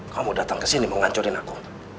kamu datang ke sini mau ngancurin aku